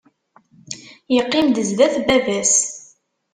Yeqqim-d sdat n baba-s!